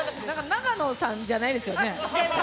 ナガノさんじゃないですよね？